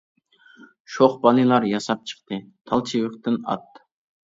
شوخ بالىلار ياساپ چىقتى، تال چىۋىقتىن ئات.